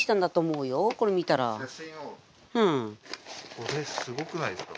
これすごくないですか？